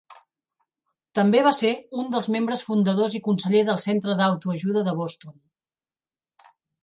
També va ser un dels membres fundadors i conseller del centre d'autoajuda de Boston.